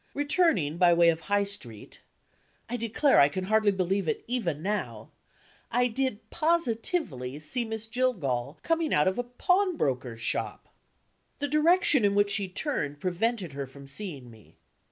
Returning by the way of High Street I declare I can hardly believe it even now I did positively see Miss Jillgall coming out of a pawnbroker's shop! The direction in which she turned prevented her from seeing me.